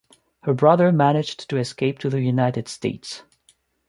Her brother managed to escape to the United States.